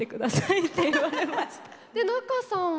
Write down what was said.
仲さんは？